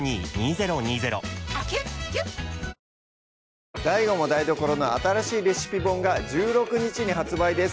すごいＤＡＩＧＯも台所の新しいレシピ本が１６日に発売です